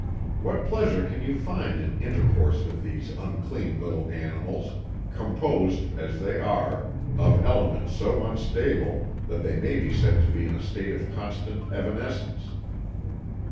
What pleasure can you find in intercourse with these unclean little animals, composed, as they are, of elements so unstable that they may be said to be in a state of constant evanescence?